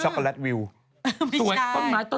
ช็อคโกแลตวิวไม่ใช่ต้นไม้ก็ใหญ่มาก